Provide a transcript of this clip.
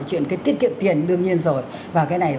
chuyện cái tiết kiệm tiền đương nhiên rồi và cái này